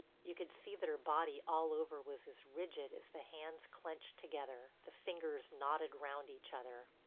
You could see that her body all over was as rigid as the hands clenched together, the fingers knotted round each other.